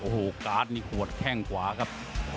โอ้โหการ์ดนี่หัวแข้งขวาครับ